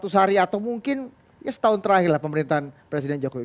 seratus hari atau mungkin ya setahun terakhirlah pemerintahan presiden jokowi